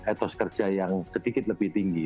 etos kerja yang sedikit lebih tinggi